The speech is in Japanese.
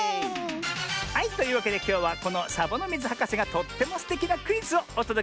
はいというわけできょうはこのサボノミズはかせがとってもすてきなクイズをおとどけするのミズよ。